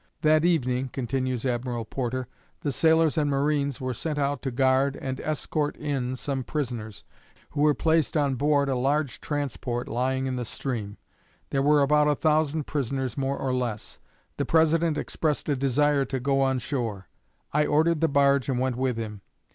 That evening," continues Admiral Porter, "the sailors and marines were sent out to guard and escort in some prisoners, who were placed on board a large transport lying in the stream. There were about a thousand prisoners, more or less. The President expressed a desire to go on shore. I ordered the barge and went with him.